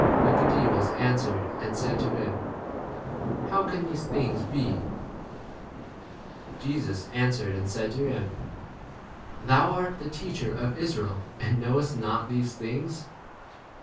Nicodemus answered and said to him, How 10 can these things be ? Jesus an swered and said to him, Thou ' art the teacher of Israel and knowest 11 not these things